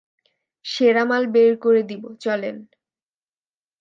সেরা মাল বের করে দিব, চলেন।